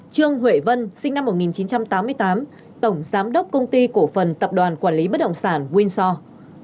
trương huệ vân sinh năm một nghìn chín trăm tám mươi tám tổng giám đốc công ty cổ phần tập đoàn quản lý bất động sản winsore